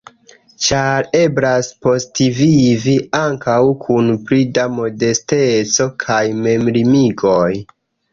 Ĉar eblas postvivi ankaŭ kun pli da modesteco kaj memlimigoj.